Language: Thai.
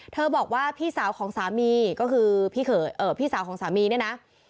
บอกว่าพี่สาวของสามีก็คือพี่สาวของสามีเนี่ยนะ